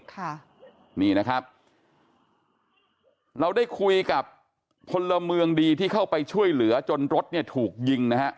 ค่ะนี่นะครับเราได้คุยกับพลเมืองดีที่เข้าไปช่วยเหลือจนรถเนี่ยถูกยิงนะฮะ